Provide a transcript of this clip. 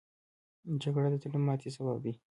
جګړه د زړه ماتې سبب ده